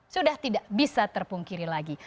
sudah tidak bisa terpungkiri lagi